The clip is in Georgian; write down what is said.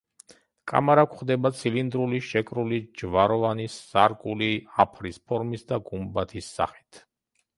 კამარა გვხვდება ცილინდრული, შეკრული, ჯვაროვანი, სარკული, აფრის ფორმის და გუმბათის სახით.